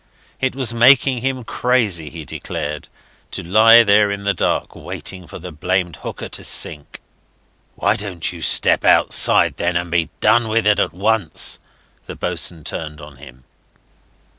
It was making him crazy, he declared, to lie there in the dark waiting for the blamed hooker to sink. "Why don't you step outside, then, and be done with it at once?" the boatswain turned on him.